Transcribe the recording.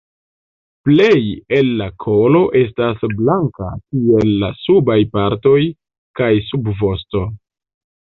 Plej el la kolo estas blanka, kiel la subaj partoj kaj subvosto.